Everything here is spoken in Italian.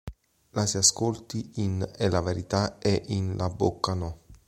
La si ascolti in "È la verità" e in "La bocca no".